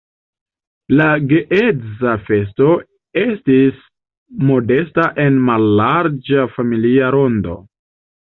La geedziĝa festo estis modesta en mallarĝa familia rondo.